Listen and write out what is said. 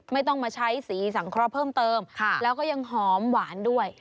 ไม่ต้องมาใช้สีสังเคราะห์เพิ่มเติมแล้วก็ยังหอมหวานด้วย